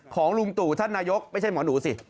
ของลุงตู่ท่านนายกไม่ใช่หมอหนูสิ